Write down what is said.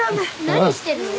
何してるの？